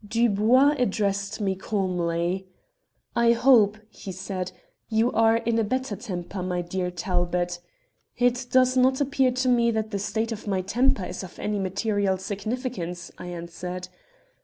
"Dubois addressed me calmly. "'I hope,' he said, 'you are in a better temper, my dear Talbot?' "'It does not appear to me that the state of my temper is of any material significance,' I answered.